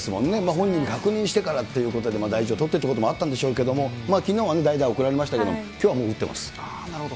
本人に確認してからということで、大事を取ってということもあったんでしょうけど、きのうはね、代打を送られましたけれども、なるほど。